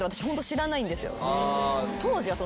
当時は。